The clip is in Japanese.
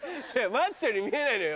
マッチョに見えないのよ